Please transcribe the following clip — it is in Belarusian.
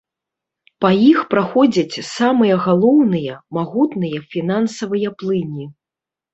Па іх праходзяць самыя галоўныя, магутныя фінансавыя плыні.